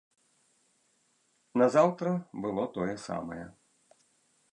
Назаўтра было тое самае.